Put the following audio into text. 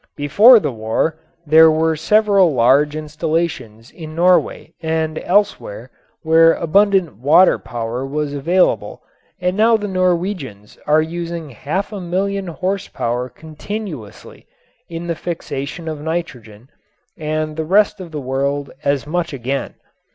Before the war there were several large installations in Norway and elsewhere where abundant water power was available and now the Norwegians are using half a million horse power continuously in the fixation of nitrogen and the rest of the world as much again.